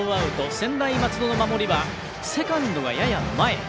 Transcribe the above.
専大松戸の守りはセカンドがやや前。